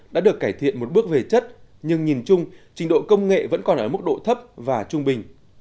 đã được cải thiện một bước về chất nhưng nhìn chung trình độ công nghệ vẫn còn ở mức độ thấp và trung bình